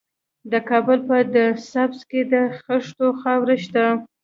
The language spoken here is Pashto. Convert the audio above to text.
د کابل په ده سبز کې د خښتو خاوره شته.